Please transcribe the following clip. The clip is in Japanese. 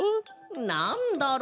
なんだろう？